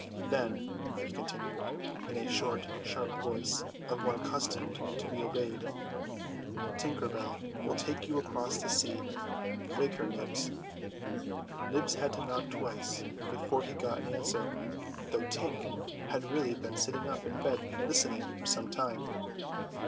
"Then," he continued, in the short sharp voice of one accustomed to be obeyed, "Tinker Bell will take you across the sea. Wake her, Nibs." Nibs had to knock twice before he got an answer, though Tink had really been sitting up in bed listening for some time.